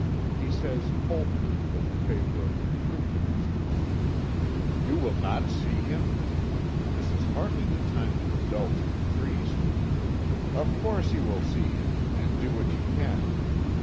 He says coldly, with a flavor of reproof in his tone: "You will not see him! This is hardly the time to indulge caprice. Of course you will see him, and do what you can.